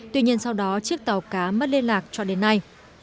tuy nhiên sau đó chiếc tàu cá mất liên lạc cho đến nay